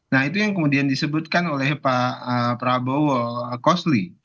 nah itu yang kemudian disebutkan oleh pak prabowo costly